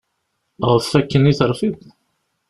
Ɣef akken i terfiḍ?